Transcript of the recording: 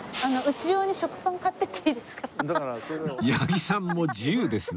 あの八木さんも自由ですね